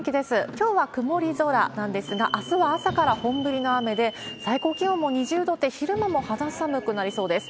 きょうは曇り空なんですが、あすは朝から本降りの雨で、最高気温も２０度で、昼間も肌寒くなりそうです。